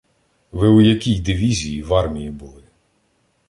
— Ви у якій дивізії в армії були?